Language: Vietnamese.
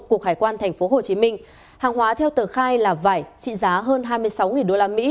cục hải quan tp hcm hàng hóa theo tờ khai là vải trị giá hơn hai mươi sáu usd